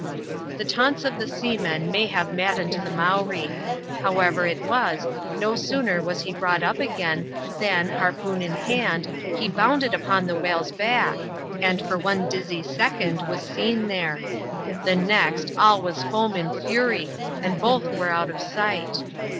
The taunts of the seamen may have maddened the Mowree ; however it was, no sooner was he brought up again, than, harpoon in hand, he bounded upon the whale's back, and for one dizzy second was seen there. The next, all was foam and fury^ and both were out of sight.